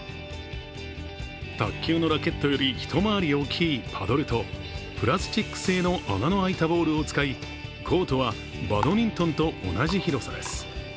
卓球のラケットより一回り大きいパドルとプラスチック製の穴の開いたボールを使いコートは、バドミントンと同じ広さです。